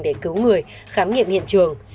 để cứu người khám nghiệm hiện trường